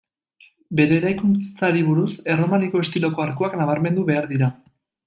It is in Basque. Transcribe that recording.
Bere eraikuntzari buruz, erromaniko estiloko arkuak nabarmendu behar dira.